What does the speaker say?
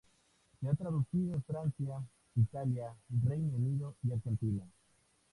Se ha traducido en Francia, Italia, Reino Unido y Argentina.